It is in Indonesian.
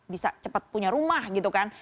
bisa cepat punya rumah gitu kan